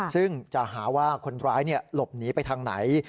ซึ่งจะหาว่าคนร้ายหลบหนีไปทางไหน